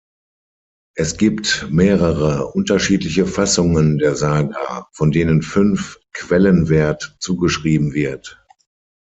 Es gibt mehrere unterschiedliche Fassungen der Saga, von denen fünf Quellenwert zugeschrieben wird.